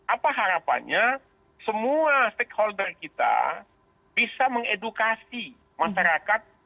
apa harapannya semua stakeholder kita bisa mengedukasi masyarakat